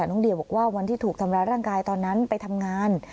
น้องเดียบอกว่าวันที่ถูกทำร้ายร่างกายตอนนั้นไปทำงาน